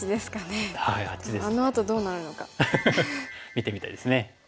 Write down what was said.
見てみたいですね。